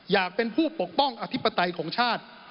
อยากเป็นผู้ปกป้องอธิปไตยของชาติ